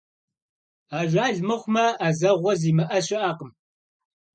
Ajjal mıxhume 'ezeğue zimı'e şı'ekhım.